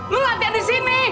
lu latihan di sini